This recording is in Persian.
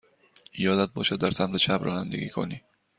یادت باشد در سمت چپ رانندگی کنی.